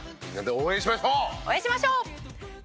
応援しましょう！